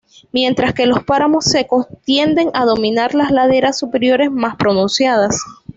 Mientras que los páramos secos tienden a dominar las laderas superiores más pronunciadas.